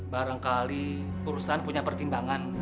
barangkali perusahaan punya pertimbangan